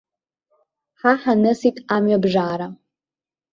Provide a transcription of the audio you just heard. Ҳа ҳанысит амҩабжара.